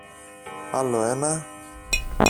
Άλλο ένα;